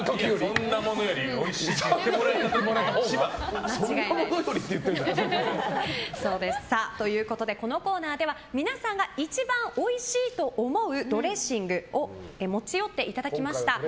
そんなことよりおいしいって言ってもらえた時がこのコーナーでは皆さんが一番おいしいと思うドレッシングを持ち寄っていただきました。